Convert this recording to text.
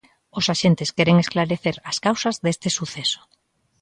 Os axentes queren esclarecer as causas deste suceso.